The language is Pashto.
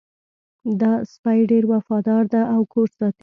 دا سپی ډېر وفادار ده او کور ساتي